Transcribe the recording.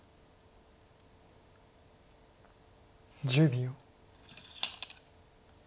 １０秒。